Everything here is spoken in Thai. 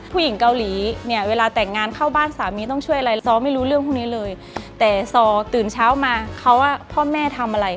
ผู้หญิงเกาหลีเวลาแต่งงานเข้าบ้านสามีต้องช่วยอะไร